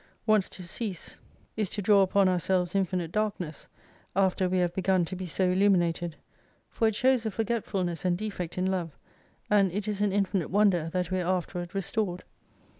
Once to cease is to draw upon our 142 selves infinite darkness, after we have begun to be so illuminated : for it shows a forgetfulness and defect in love, and it is an infinite wonder that we are afterward restored.